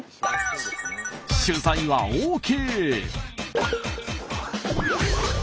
取材はＯＫ！